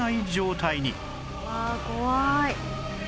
「うわ怖い」